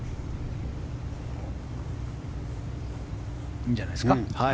いいんじゃないですか。